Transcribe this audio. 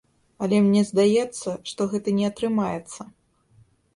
Але мне здаецца, што гэта не атрымаецца.